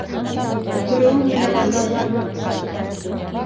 Үкереүең менән ана уларҙы ҡурҡыт!